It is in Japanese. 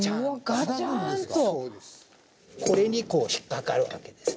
これにこう引っ掛かるわけです。